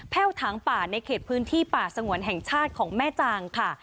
ว่ถางป่าในเขตพื้นที่ป่าสงวนแห่งชาติของแม่จางค่ะ